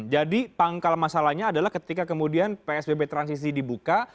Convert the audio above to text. jadi pangkal masalahnya adalah ketika kemudian psbb transisi dibuka